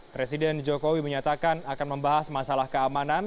presiden jokowi menyatakan akan membahas masalah keamanan